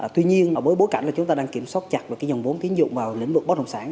tuy nhiên với bối cảnh chúng ta đang kiểm soát chặt vòng bốn tiến dụng vào lĩnh vực bất đồng sản